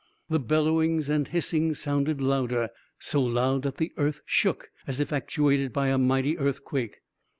The bellowings and hissings sounded louder, so loud that the earth shook as if actuated by a mighty earthquake.